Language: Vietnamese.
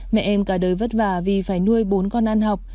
mẹ em cả đời vất vả vì phải nuôi bốn con ăn học